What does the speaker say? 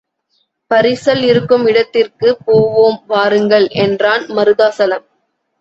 பரிசல் இருக்கும் இடத்திற்குப் போவோம் வாருங்கள் என்றான் மருதாசலம்.